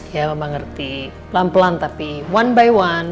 ya memang ngerti pelan pelan tapi one by one